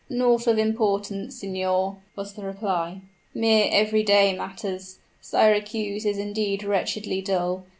"Naught of importance, signor," was the reply; "mere everyday matters. Syracuse is indeed wretchedly dull.